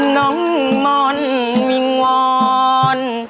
น้องม่อนมิงวอน